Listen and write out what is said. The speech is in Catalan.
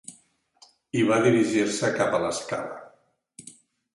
I va dirigir-se cap a l"escala.